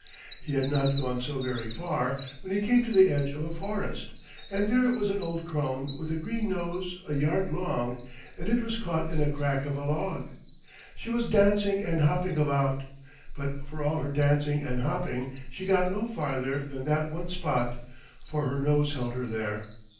He had not gone so very far when he came to the edge of a forest, and there was an old crone with a green nose a yard long, and it was caught in a crack of a log. She was dancing and hopping about, but for all her dancing and hopping she got no farther than that one spot, for her nose held her there.